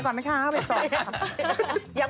ตั้ง